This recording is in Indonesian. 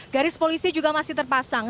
garis polisi juga masih terpasang